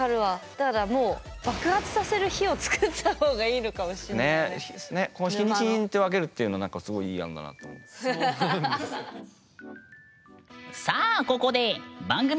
だから、もう爆発させる日を作った方がいいのかもしんないね。ね、日にちによって分けるっていうのは何かすごいいい案だなって思います。